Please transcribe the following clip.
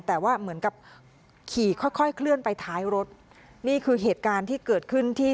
แต่ว่าเหมือนกับขี่ค่อยค่อยเคลื่อนไปท้ายรถนี่คือเหตุการณ์ที่เกิดขึ้นที่